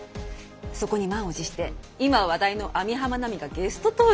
そこに満を持して今話題の網浜奈美がゲスト登場。